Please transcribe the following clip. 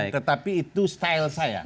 tetapi itu style saya